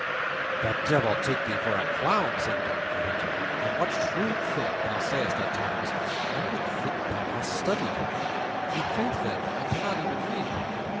"The devil take thee for a clown!" said Don Quixote, "and what shrewd things thou sayest at times! One would think thou hadst studied." "In faith, then, I cannot even read."